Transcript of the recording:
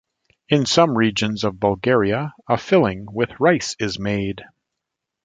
In some regions of Bulgaria, a filling with rice is made.